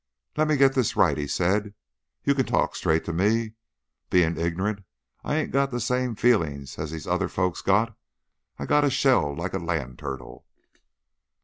"Lemme get this right," he said. "You can talk straight to me. Bein' ignerunt, I 'ain't got the same feelin's as these other folks got. I got a shell like a land turtle."